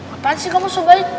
apaan sih kamu sobat